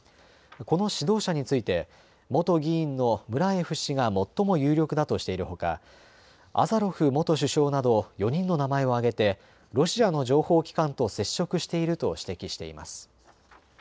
この指導者について元議員のムラエフ氏が最も有力だとしているほかアザロフ元首相など４人の名前を挙げてロシアの情報機関と接触していると指摘しています。